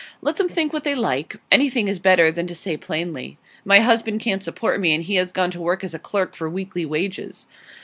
Let them think what they like; anything is better than to say plainly. "My husband can't support me, and he has gone to work as a clerk for weekly wages."